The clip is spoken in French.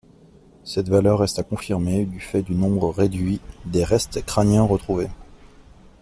Cette valeur reste à confirmer du fait du nombre réduit des restes crâniens retrouvés.